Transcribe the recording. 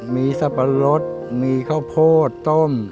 มีสับปะรดมีข้าวโพดต้ม